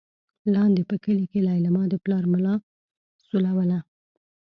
لاندې په کلي کې لېلما د پلار ملا سولوله.